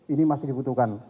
ini masih dibutuhkan